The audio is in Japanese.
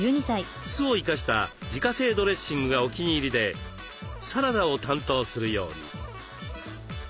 酢を生かした自家製ドレッシングがお気に入りでサラダを担当するように。